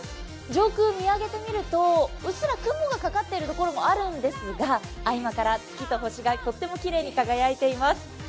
上空見上げてみると、うっすら雲がかかっているところもあるんですが、合間から月と星がとってもきれいに輝いています。